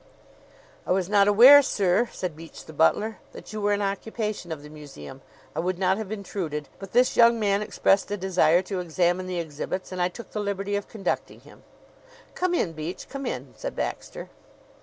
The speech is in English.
"I was not aware, sir," said Beach, the butler, "that you were in occupation of the museum. I would not have intruded; but this young man expressed a desire to examine the exhibits, and I took the liberty of conducting him." "Come in, Beach come in," said Baxter.